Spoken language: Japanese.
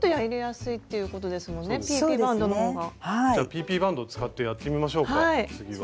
じゃあＰＰバンドを使ってやってみましょうか次は。